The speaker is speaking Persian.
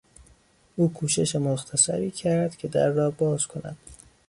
او کوشش مختصری کرد که در را باز کند.